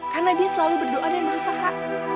karena dia selalu berdoa dan berusaha